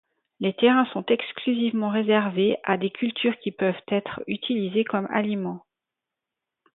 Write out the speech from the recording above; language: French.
Les terrains sont exclusivement réservés à des cultures qui peuvent être utilisées comme aliments.